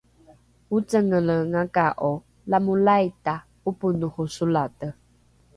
ocengelengaka’o lamolaita ’oponoho solate?